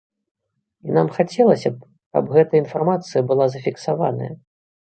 І нам хацелася б, каб гэтая інфармацыя была зафіксаваная.